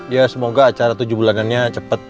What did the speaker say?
ya semoga acara tujuh bulanannya cepat